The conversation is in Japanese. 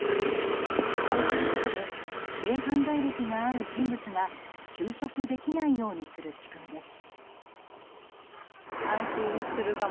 こうすることで性犯罪歴がある人物が就職できないようにする仕組みです。